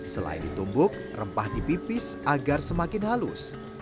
selain ditumbuk rempah dipipis agar semakin halus